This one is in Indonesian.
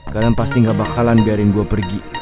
kalian pasti ga bakalan biarin gua pergi